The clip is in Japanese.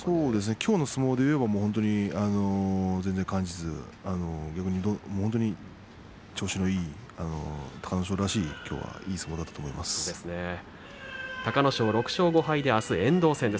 きょうの相撲でいえば全然感じず逆に本当に調子のいい隆の勝らしい隆の勝、６勝５敗であすは遠藤戦です。